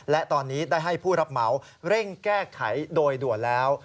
และตอนนี้ได้ให้ผู้รับเหมาเร่งแก้ไขโดยด่วนแล้ว